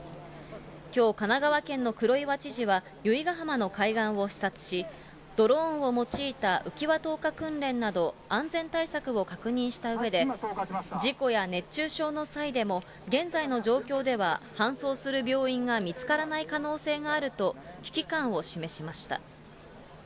きょう、神奈川県の黒岩知事は由比ガ浜の海岸を視察し、ドローンを用いた浮き輪投下訓練など、安全対策を確認したうえで、事故や熱中症の際でも現在の状況では搬送する病院が見つからない可能性があると危機感を示しました。